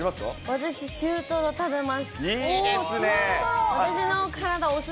私、中トロ食べます。